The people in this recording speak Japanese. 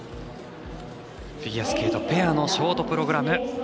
フィギュアスケートペアのショートプログラム。